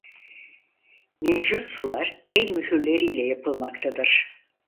Ninjutsular el mühürleriyle yapılmaktadır.